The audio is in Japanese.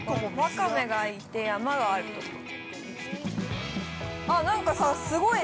◆ワカメがいて山があるところ？